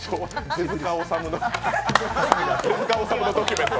手塚治虫のドキュメント。